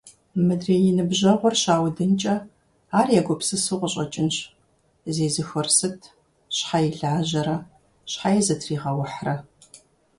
Мыдрей и ныбжьэгъур щаудынкӏэ, ар егупсысу къыщӏэкӏынщ: «Зезыхуэр сыт… Щхьэи лажьэрэ, щхьэи зытригъэухьрэ!».